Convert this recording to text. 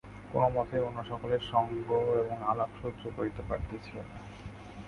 কোনোমতেই অন্য সকলের সঙ্গ এবং আলাপ সে সহ্য করিতে পারিতেছিল না।